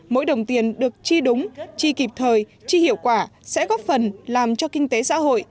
mỗi đồng tiền được chi đúng chi kịp thời chi hiệu quả sẽ góp phần làm cho kinh tế xã hội